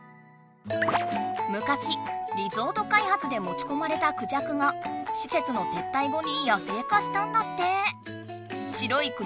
むかしリゾート開発でもちこまれたクジャクがしせつの撤退後に野生化したんだって。